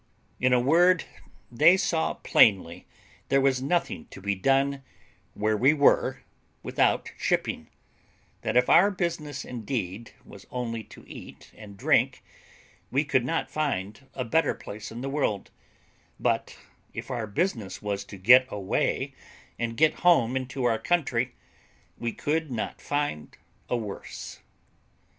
In a word, they saw plainly there was nothing to be done where we were without shipping; that if our business indeed was only to eat and drink, we could not find a better place in the world; but if our business was to get away, and get home into our country, we could not find a worse.